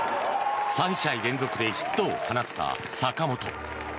３試合連続でヒットを放った坂本。